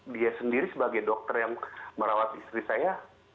dia sendiri sebagai dokter yang merawat istri saya